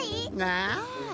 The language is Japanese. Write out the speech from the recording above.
ああ。